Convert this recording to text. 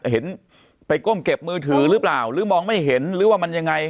เห็นไปก้มเก็บมือถือหรือเปล่าหรือมองไม่เห็นหรือว่ามันยังไง